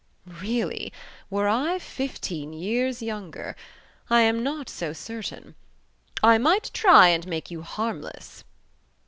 "Really, were I fifteen years younger. I am not so certain ... I might try and make you harmless."